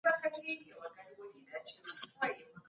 خپل ماشومان د سپورت کلبونو ته وهڅوئ.